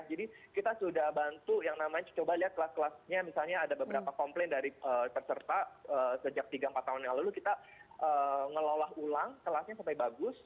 kita sudah bantu yang namanya coba lihat kelas kelasnya misalnya ada beberapa komplain dari peserta sejak tiga empat tahun yang lalu kita ngelola ulang kelasnya sampai bagus